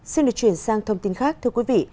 xin được chuyển sang thông tin khác thưa quý vị